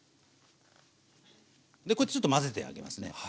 ちょっと混ぜてあげますね。